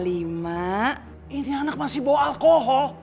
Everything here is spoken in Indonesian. ini anak masih bawa alkohol